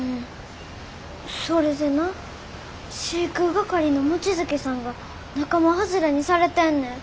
それでな飼育係の望月さんが仲間外れにされてんねん。